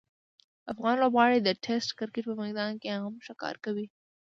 افغان لوبغاړي د ټسټ کرکټ په میدان کې هم ښه کار کوي.